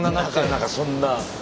何かそんな。